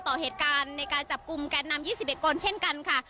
ต่อเหตุการณ์ในการจับกลุ่มแกนนำ๒๑คนเช่นกันค่ะ